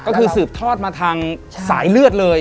ก็คือศึกษาด้านมาทางสายเลือดเลย